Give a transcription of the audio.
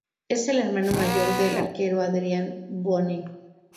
Es el hermano mayor del arquero Adrián Bone.